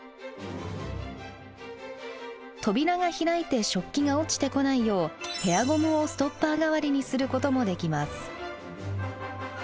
扉が開いて食器が落ちてこないようヘアゴムをストッパー代わりにすることもできます。